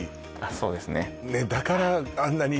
そうですね